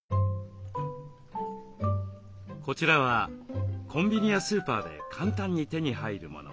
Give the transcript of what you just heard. こちらはコンビニやスーパーで簡単に手に入るもの。